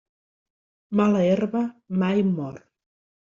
Mala herba mai mor.